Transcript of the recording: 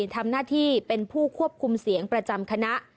ทำหน้าที่เป็นผู้ควบคุมเสียงประจำคณะ